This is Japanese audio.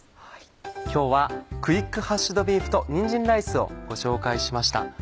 今日はクイックハッシュドビーフとにんじんライスをご紹介しました。